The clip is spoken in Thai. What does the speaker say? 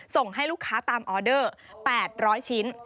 ส่งให้ลูกค้าตามออเดอร์๘๐๐ชิ้น